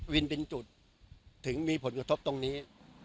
วินเป็นจุดถึงมีผลกระทบตรงนี้